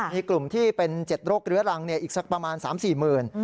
มีกลุ่มที่เป็น๗โรคเรื้อรังอีกสักประมาณ๓๔หมื่น